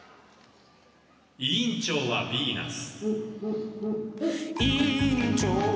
「委員長はヴィーナス」。